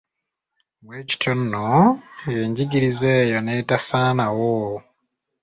Bwekityo nno enjigiriza eyo n’etasaanawo.